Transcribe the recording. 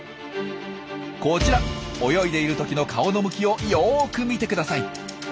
こちら泳いでいる時の顔の向きをよく見てください。